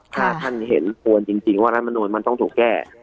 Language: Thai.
ถ้าท่านเห็นควรจริงว่ารัฐมนุนมันต้องถูกแก้